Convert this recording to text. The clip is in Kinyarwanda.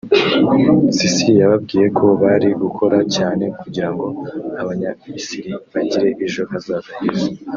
Sisi yababwiye ko bari gukora cyane kugira ngo abanya-Misiri bagire ejo hazaza heza